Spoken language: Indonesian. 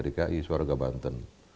dki warga banten